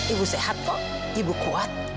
ibu sehat kok ibu kuat